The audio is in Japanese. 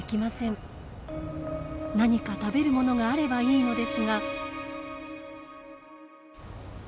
何か食べるものがあればいいのですが。